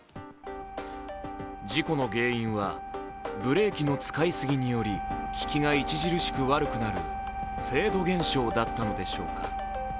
事故の原因はブレーキの使いすぎにより利きが著しく悪くなるフェード現象だったのでしょうか。